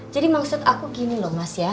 jadi maksud aku gini loh mas ya